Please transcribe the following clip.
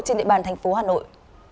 trên địa bàn thành phố hà nội